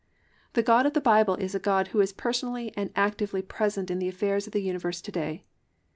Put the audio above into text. The God of the Bible is a God who is personally and actively present in the affairs of the universe to day.